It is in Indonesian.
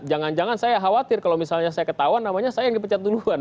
jangan jangan saya khawatir kalau misalnya saya ketahuan namanya saya yang dipecat duluan